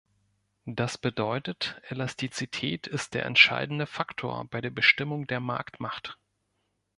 Das bedeutet, Elastizität ist der entscheidende Faktor bei der Bestimmung der Marktmacht.